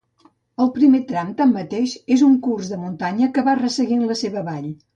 El primer tram, tanmateix, és un curs de muntanya que va resseguint la seva vall.